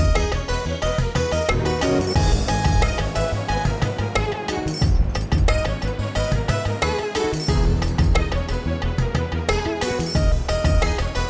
terima kasih pak